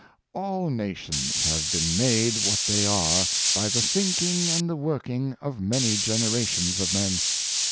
All nations have been made what they are by the thinking and the working of many generations of men.